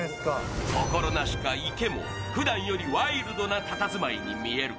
心なしか、池もふだんよりワイルドなたたずまいに見える。